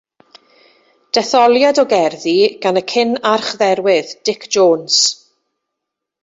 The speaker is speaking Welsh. Detholiad o gerddi gan y cyn-archdderwydd Dic Jones.